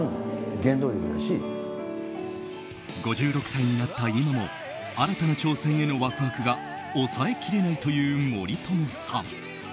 ５６歳になった今も新たな挑戦へのワクワクが抑えきれないという森友さん。